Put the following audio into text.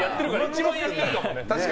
一番やってるもんね。